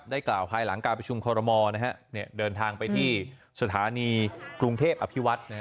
กล่าวภายหลังการประชุมคอรมอลเดินทางไปที่สถานีกรุงเทพอภิวัฒน์